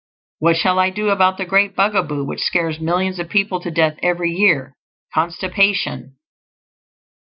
What shall I do about that great bugaboo which scares millions of people to death every year Constipation?